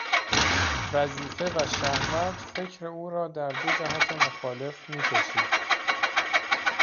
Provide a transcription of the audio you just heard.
وظیفه و شهوت فکر او را در دو جهت مخالف میکشید.